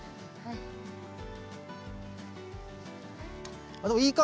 はい。